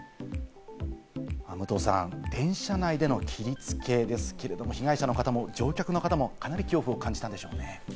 武藤さん、電車内での切りつけですけれども、被害者の方も乗客の方もかなり恐怖を感じたでしょうね。